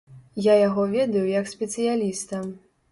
Я яго ведаю як спецыяліста.